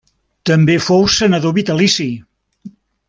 També fou senador vitalici.